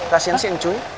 kasian si encu